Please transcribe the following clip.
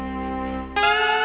gue kan pengen ke ukhs